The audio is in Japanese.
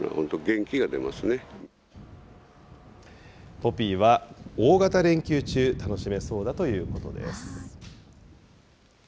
ポピーは大型連休中、楽しめそうだということです。